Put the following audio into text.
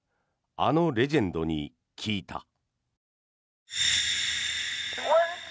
あのレジェンドに聞いた。